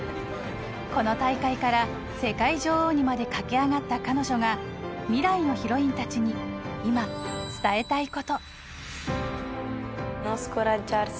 この大会から世界女王にまで駆け上がった彼女が未来のヒロインたちに今伝えたい事。